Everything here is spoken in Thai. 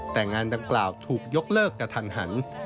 แต่งานดังกล่าวถูกยกเลิกกระทันหัน